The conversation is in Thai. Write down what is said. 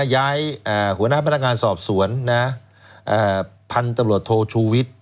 นะย้ายเอ่อหัวหน้าพนักงานสอบสวนนะเอ่อพันตบรวจโทรชูวิต